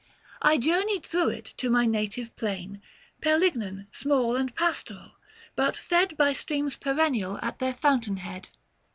I journeyed through it to my native plain Pelignan, small and pastoral, but fed By streams perennial at their fountain head.